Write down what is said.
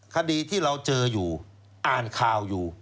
คดีที่เราเจออยู่อ่านข่าวอยู่